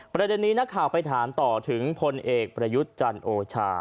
ประเด็นนี้นักข่าวไปถามต่อถึงพลเอกประยุทธ์จันทร์โอชา